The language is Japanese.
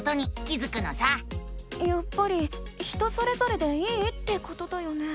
やっぱり人それぞれでいいってことだよね？